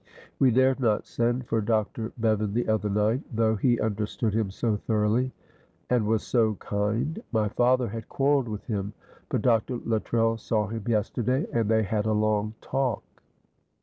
We dared not send for Dr. Bevan the other night, though he understood him so thoroughly, and was so kind. My father had quarrelled with him, but Dr. Luttrell saw him yesterday and they had a long talk."